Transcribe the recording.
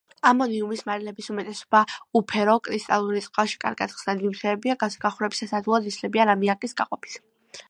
ამონიუმის მარილების უმეტესობა უფერო კრისტალური, წყალში კარგად ხსნადი ნივთიერებებია, გახურებისას ადვილად იშლებიან ამიაკის გამოყოფით.